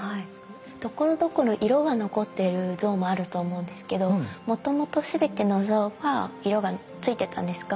ところどころ色が残っている像もあると思うんですけどもともと全ての像は色がついてたんですか？